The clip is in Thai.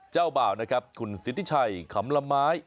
เจ้าบ่าวนะครับคุณสิทธิชัยขำละไม้